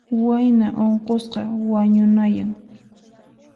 Wayna unqusqa wañunayan.